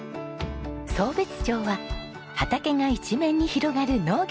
壮瞥町は畑が一面に広がる農業の町。